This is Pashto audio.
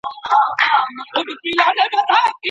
د روغتیا حق په قانون کي سته؟